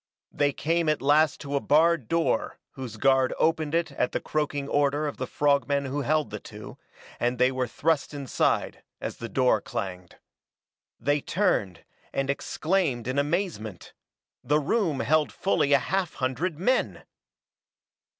They came at last to a barred door whose guard opened it at the croaking order of the frog men who held the two, and they were thrust inside, as the door clanged. They turned, and exclaimed in amazement. The room held fully a half hundred men!